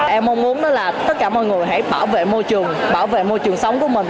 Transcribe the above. em mong muốn là tất cả mọi người hãy bảo vệ môi trường bảo vệ môi trường sống của mình